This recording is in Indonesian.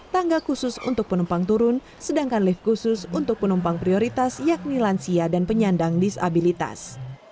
tangga khusus untuk penumpang turun sedangkan lift khusus untuk penumpang prioritas yakni lansia dan penyandang disabilitas